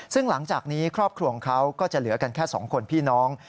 ซึ่งหลังจากนี้ครอบครัวของเขาก็จะเหลือกันแค่๒คนพี่น้อง